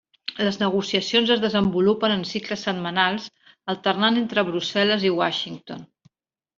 Les negociacions es desenvolupen en cicles setmanals alternant entre Brussel·les i Washington.